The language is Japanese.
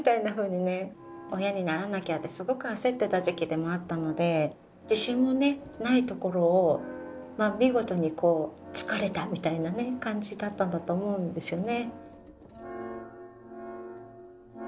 親にならなきゃってすごく焦ってた時期でもあったので自信もねないところを見事につかれたみたいなね感じだったんだと思うんですよね。